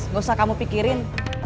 gak usah kamu pikirin